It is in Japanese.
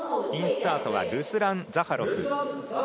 インスタートはルスラン・ザハロフ。